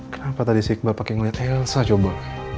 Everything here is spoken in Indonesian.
kenapa tadi sikbal pake ngeliat ilsa coba